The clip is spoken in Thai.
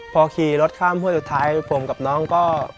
พอขี่รถข้ามห้วยสุดท้ายผมกับน้องก็